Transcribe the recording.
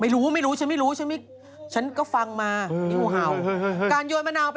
รู้หรือเปล่าใช่ไหม